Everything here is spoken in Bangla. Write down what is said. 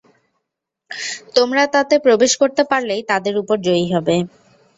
তোমরা তাতে প্রবেশ করতে পারলেই তাদের উপর জয়ী হবে।